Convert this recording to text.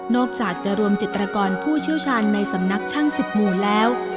จากจะรวมจิตรกรผู้เชี่ยวชาญในสำนักช่าง๑๐หมู่แล้ว